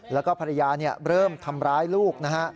แล้วก็ภรรยาเริ่มทำร้ายลูกนะฮะ